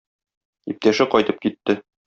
Иптәше кайтып китте.